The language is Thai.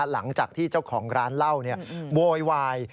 หลังจากที่เจ้าของร้านเหล้าโวยวาย